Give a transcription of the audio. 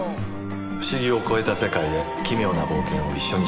「不思議」を超えた世界へ「奇妙」な冒険を一緒にしましょう。